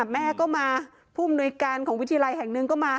แม่ก็มาผู้อำนวยการของวิทยาลัยแห่งหนึ่งก็มา